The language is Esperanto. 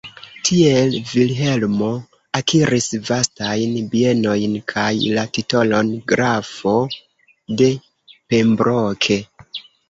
Tiel Vilhelmo akiris vastajn bienojn kaj la titolon "grafo de Pembroke".